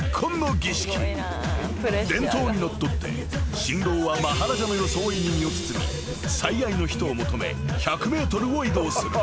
［伝統にのっとって新郎はマハラジャの装いに身を包み最愛の人を求め１００ｍを移動する］